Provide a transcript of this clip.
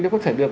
nếu có thể được